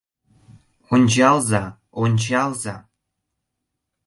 — Ончалза, ончалза!